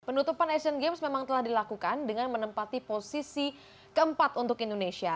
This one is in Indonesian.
penutupan asian games memang telah dilakukan dengan menempati posisi keempat untuk indonesia